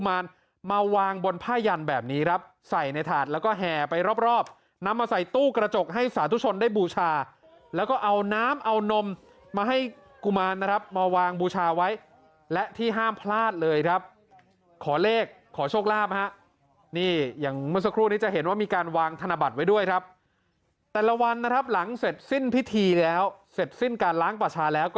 มารมาวางบนผ้ายันแบบนี้ครับใส่ในถาดแล้วก็แห่ไปรอบรอบนำมาใส่ตู้กระจกให้สาธุชนได้บูชาแล้วก็เอาน้ำเอานมมาให้กุมารนะครับมาวางบูชาไว้และที่ห้ามพลาดเลยครับขอเลขขอโชคลาภฮะนี่อย่างเมื่อสักครู่นี้จะเห็นว่ามีการวางธนบัตรไว้ด้วยครับแต่ละวันนะครับหลังเสร็จสิ้นพิธีแล้วเสร็จสิ้นการล้างประชาแล้วก็